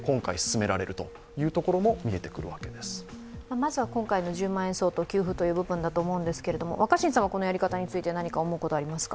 まずは今回の１０万円相当給付という部分だと思いますけど、このやり方について何か思うことありますか。